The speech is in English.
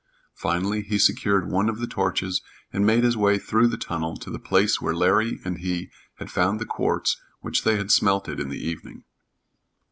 Finally, he secured one of the torches and made his way through the tunnel to the place where Larry and he had found the quartz which they had smelted in the evening.